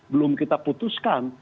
belum kita putuskan